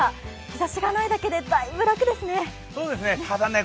日ざしがないだけでだいぶ楽ですね。